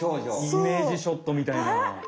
イメージショットみたいな。